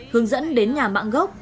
hướng dẫn đến nhà mạng gốc